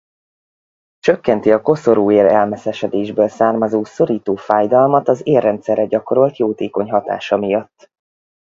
Csökkenti a koszorúér-elmeszesedésből származó szorító fájdalmat az érrendszerre gyakorolt jótékony hatása miatt.